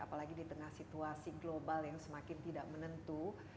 apalagi di tengah situasi global yang semakin tidak menentu